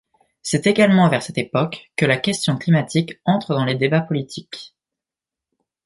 C'est également vers cette époque que la question climatique entre dans les débats politiques.